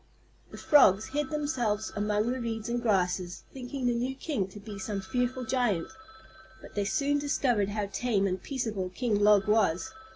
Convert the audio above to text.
The Frogs hid themselves among the reeds and grasses, thinking the new king to be some fearful giant. But they soon discovered how tame and peaceable King Log was.